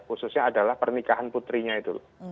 khususnya adalah pernikahan putrinya itu loh